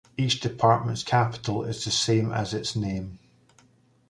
Each department's capital is the same as its name.